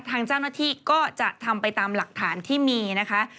ทางเจ้าหน้าที่ก็จะทำไปตามหลักฐานที่มีนะคะ